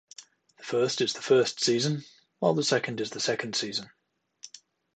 The first is the first season, while the second is the second season.